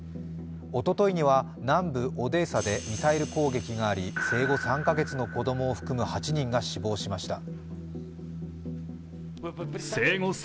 おとといには南部オデーサでミサイル攻撃があり生後３カ月の子供を含む８人が死亡しました。